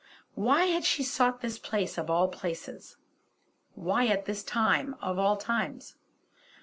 Why had she sought this place of all places; why at this time of all times?